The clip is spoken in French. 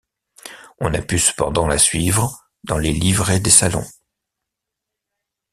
On a pu cependant la suivre dans les livrets des Salons.